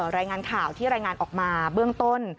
รายงานข่าวที่รายงานออกมาเบื้องต้น